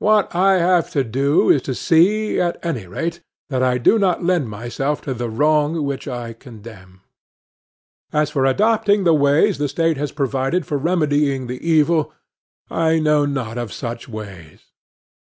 What I have to do is to see, at any rate, that I do not lend myself to the wrong which I condemn. As for adopting the ways which the State has provided for remedying the evil, I know not of such ways.